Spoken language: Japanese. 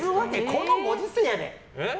このご時世やで？